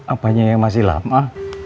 apanya yang masih lama